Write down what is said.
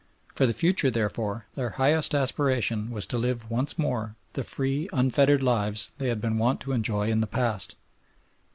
For the future, therefore, their highest aspiration was to live once more the free, unfettered lives they had been wont to enjoy in the past.